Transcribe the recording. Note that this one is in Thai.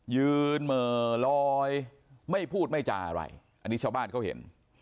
เหมือลอยไม่พูดไม่จาอะไรอันนี้ชาวบ้านเขาเห็น